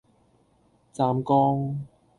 湛江